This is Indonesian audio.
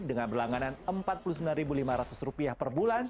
dengan berlangganan rp empat puluh sembilan lima ratus per bulan